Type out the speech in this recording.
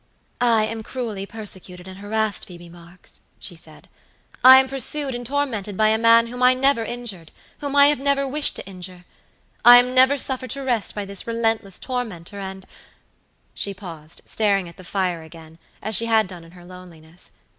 "I am cruelly persecuted and harassed, Phoebe Marks," she said. "I am pursued and tormented by a man whom I never injured, whom I have never wished to injure. I am never suffered to rest by this relentless tormentor, and" She paused, staring at the fire again, as she had done in her loneliness.